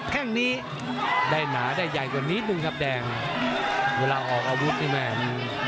แค่งนี้ได้หนาได้ใหญ่กว่านิดนึงครับแดงเวลาออกอาวุธนี่แม่มัน